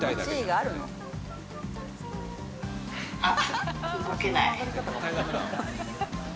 あっ。